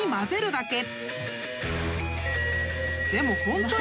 ［でもホントに］